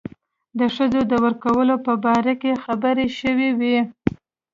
د ښځو د ورکولو په باره کې خبرې شوې وې.